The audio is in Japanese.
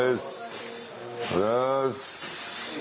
おはようございます。